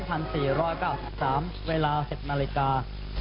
ตอนนี้๒๘เมษาดวน๒๔๙๓เวลา๑๐นาฬิกา